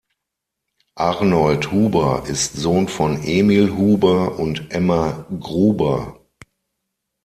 Arnold Huber ist Sohn von Emil Huber und Emma Gruber.